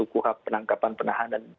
kuha penangkapan penahanan